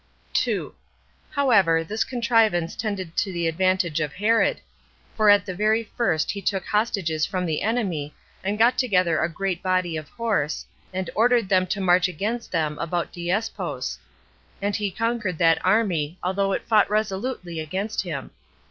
2. However, this contrivance tended to the advantage of Herod; for at the very first he took hostages from the enemy, and got together a great body of horse, and ordered them to march against them about Diespous; and he conquered that army, although it fought resolutely against him.